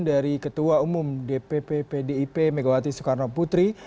dari ketua umum dpp pdip megawati soekarno putri